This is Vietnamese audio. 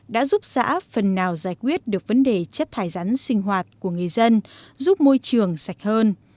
đã giúp xã phần nào giải quyết được vấn đề chất thải rắn sinh hoạt của người dân giúp môi trường sạch hơn